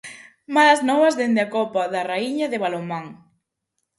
Malas novas dende a Copa da Raíña de balonmán.